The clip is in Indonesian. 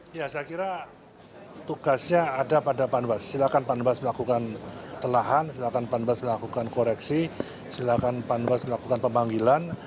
saya kira tugasnya ada pada panbas silakan panbas melakukan telahan silakan panbas melakukan koreksi silakan panbas melakukan pemanggilan